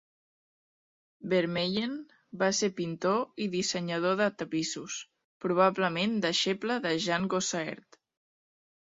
Vermeyen va ser pintor i dissenyador de tapissos, probablement deixeble de Jan Gossaert.